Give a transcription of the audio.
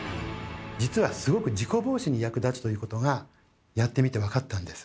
実はすごく事故防止に役立つということがやってみて分かったんです。